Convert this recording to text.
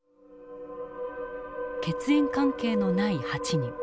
血縁関係のない８人。